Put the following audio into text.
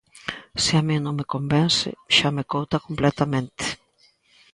Se a min non me convence, xa me couta completamente.